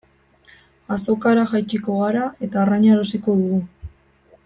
Azokara jaitsiko gara eta arraina erosiko dugu.